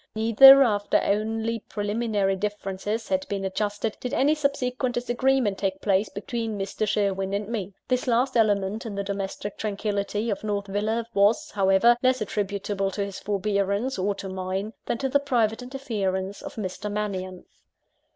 Neither, after one preliminary difference had been adjusted, did any subsequent disagreement take place between Mr. Sherwin and me. This last element in the domestic tranquillity of North Villa was, however, less attributable to his forbearance, or to mine, than to the private interference of Mr. Mannion.